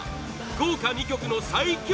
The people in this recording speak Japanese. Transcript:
豪華２曲の最強